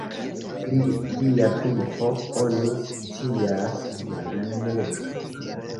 Pli lia vivo oni scias malmulte.